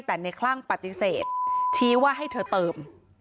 แต่ในคลั่งปฏิเสธชี้ว่าให้เธอเติม